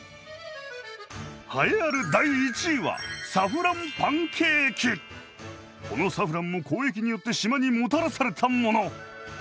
栄えある第１位はこのサフランも交易によって島にもたらされたもの。